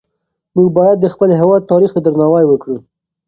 موږ باید د خپل هېواد تاریخ ته درناوی وکړو.